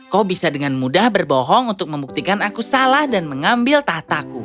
kau bisa dengan mudah berbohong untuk membuktikan aku salah dan mengambil tahtaku